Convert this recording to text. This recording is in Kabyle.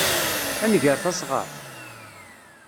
Ad nger tasɣart?